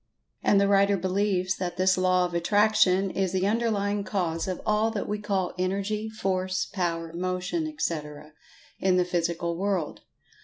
And the writer believes that this "Law of Attraction" is the underlying cause of all that we call Energy, Force, Power, Motion, etc., in the Physical world.